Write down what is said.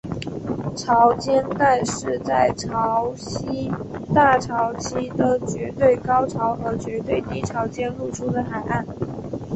潮间带是在潮汐大潮期的绝对高潮和绝对低潮间露出的海岸。